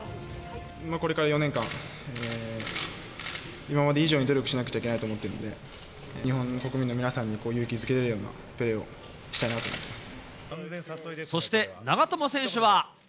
これから４年間、今まで以上に努力しなくちゃいけないと思ってるんで、日本の国民の皆さんを勇気づけれるようなプレーをしたいなと思いそして、長友選手は。